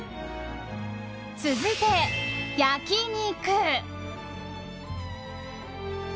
続いて、焼き肉。